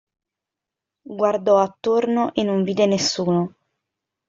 Guardò attorno e non vide nessuno.